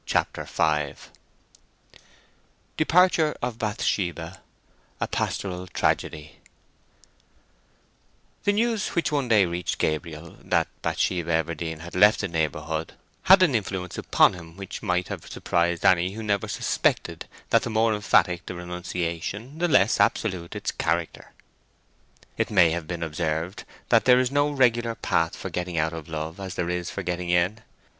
CHAPTER V DEPARTURE OF BATHSHEBA—A PASTORAL TRAGEDY The news which one day reached Gabriel, that Bathsheba Everdene had left the neighbourhood, had an influence upon him which might have surprised any who never suspected that the more emphatic the renunciation the less absolute its character. It may have been observed that there is no regular path for getting out of love as there is for getting in.